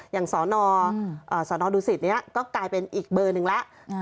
อย่างสนดูสิตนี้ก็กลายเป็นอีกเบอร์หนึ่งแล้ว